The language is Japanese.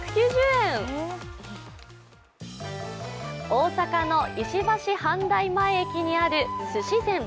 大阪の石橋阪大前駅にある寿し善。